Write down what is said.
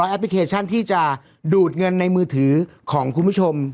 พลิเคชันที่จะดูดเงินในมือถือของคุณผู้ชม